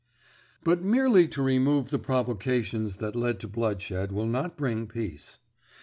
"But merely to remove the provocations that led to bloodshed will not bring peace.